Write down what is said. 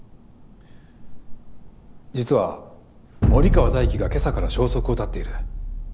実は森川大貴が今朝から消息を絶っている。